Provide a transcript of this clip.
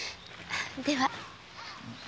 では。